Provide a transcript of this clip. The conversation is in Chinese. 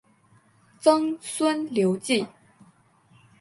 曾孙刘洎。